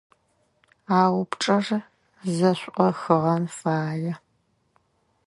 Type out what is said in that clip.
А упчIэр зэшIохыгъэн фае.